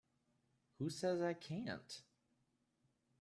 Who says I can't?